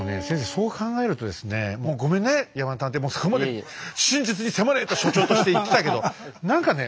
そう考えるとですねもうごめんね山田探偵もそこまで「真実に迫れ」と所長として言ってたけど何かね